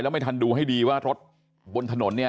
ไม่ทันดูให้ดีว่ารถบนถนนเนี่ย